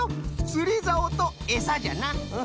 つりざおとエサじゃな。